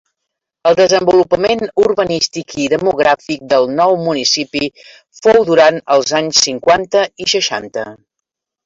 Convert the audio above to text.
El desenvolupament urbanístic i demogràfic del nou municipi fou durant els anys cinquanta i seixanta.